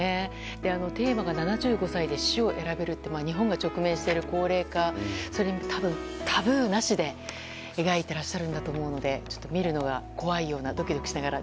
テーマが７５歳で死を選べるって日本が直面している高齢化、それにタブーなしで描いていらっしゃると思うので見るのが怖いようなドキドキしながら。